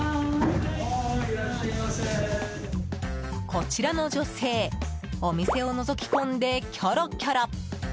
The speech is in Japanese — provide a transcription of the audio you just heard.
こちらの女性お店をのぞき込んでキョロキョロ。